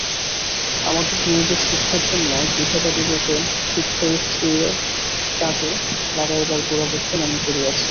আমাদের মেয়েদের শিক্ষার জন্য বিধবাদিগকে শিক্ষয়িত্রীয় কাজে লাগাইবার গোড়াপত্তন আমি করিয়াছি।